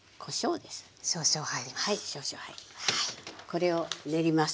これを練ります。